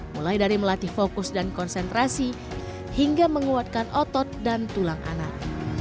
mulai dari melatih fokus dan konsentrasi hingga menguatkan otot dan tulang anak